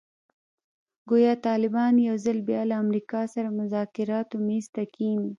ګویا طالبان یو ځل بیا له امریکا سره مذاکراتو میز ته کښېني.